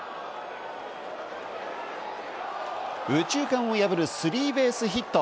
右中間を破るスリーベースヒット。